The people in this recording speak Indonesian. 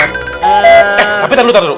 eh tapi tahan dulu tahan dulu